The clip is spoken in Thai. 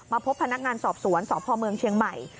พบพนักงานสอบสวนสพเมืองเชียงใหม่